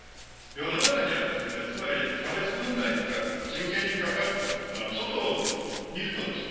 世の中にはつまり差別問題とか人権に関わることってのは外を見るとですね